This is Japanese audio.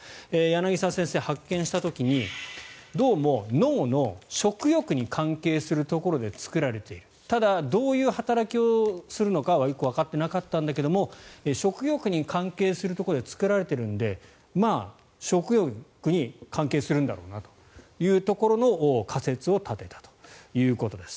柳沢先生、発見した時にどうも脳の食欲に関係するところで作られているただ、どういう働きをするのかはよくわかっていなかったんだけど食欲に関係するところで作られているのでまあ、食欲に関係するんだろうなというところの仮説を立てたということです。